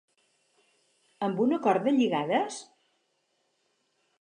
Amb una corda lligades?